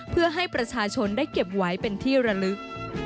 เพื่อให้ประชาชนได้เก็บไว้เป็นที่ระลึก